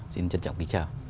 xin trân trọng kính chào